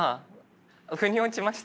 ふに落ちました。